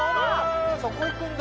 そこ行くんだ。